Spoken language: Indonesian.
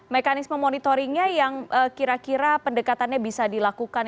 mekanisme monitoringnya yang kira kira pendekatannya bisa dilakukan